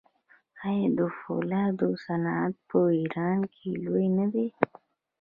آیا د فولادو صنعت په ایران کې لوی نه دی؟